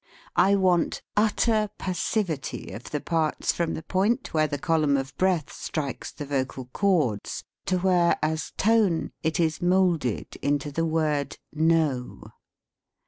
I want utter passivity of the parts from the point where the column of breath strikes the vocal cords to where, as tone, it is moulded into the word "No."